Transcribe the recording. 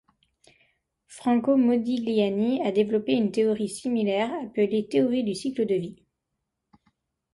Franco Modigliani a développé une théorie similaire appelée Théorie du cycle de vie.